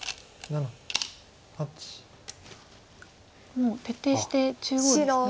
もう徹底して中央ですね。